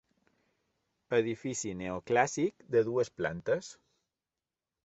Edifici neoclàssic de dues plantes.